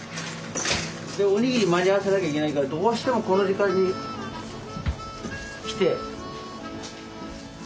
おにぎり間に合わせなきゃいけないからどうしてもこの時間に来て。